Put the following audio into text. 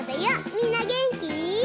みんなげんき？